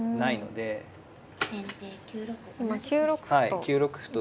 今９六歩と。